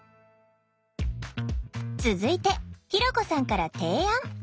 続いてひろこさんから提案。